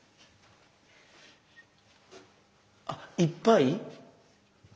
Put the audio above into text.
あっいっぱい？